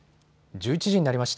１１時になりました。